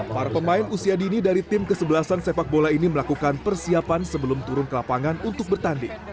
para pemain usia dini dari tim kesebelasan sepak bola ini melakukan persiapan sebelum turun ke lapangan untuk bertanding